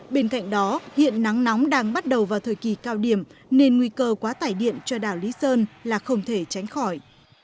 bên cạnh đó hiện nắng nóng đang bắt đầu vào thời kỳ cao điểm nên nguy cơ quá tải điện cho đảo lý sơn là không thể tránh khỏi